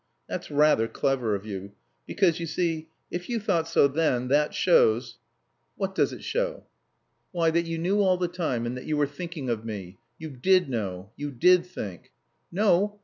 "That's rather clever of you. Because, you see, if you thought so then that shows " "What does it show?" "Why, that you knew all the time and that you were thinking of me. You did know. You did think " "No.